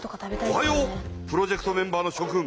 おはようプロジェクトメンバーのしょ君。